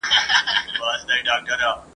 تشه لاسه ته مي دښمن یې ..